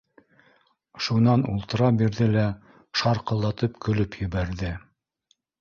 Шунан ултыра бирҙе лә шарҡылдатып көлөп ебәрҙе.